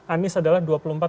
anies adalah dua puluh empat